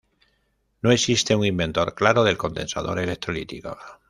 No existe un inventor claro del condensador electrolítico.